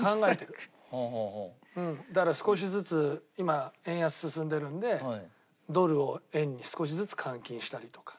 だから少しずつ今円安進んでるんでドルを円に少しずつ換金したりとか。